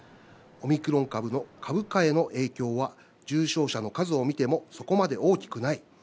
オミクロン株の株価への影響は重症者の数を見ても、そこまで大きくない。